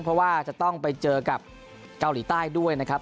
เพราะว่าจะต้องไปเจอกับเกาหลีใต้ด้วยนะครับ